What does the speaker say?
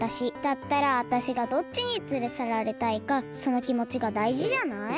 だったらわたしがどっちにつれさられたいかそのきもちがだいじじゃない？